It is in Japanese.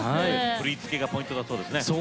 振り付けがポイントだそうですね。